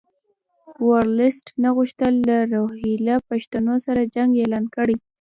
ورلسټ نه غوښتل له روهیله پښتنو سره جنګ اعلان کړي.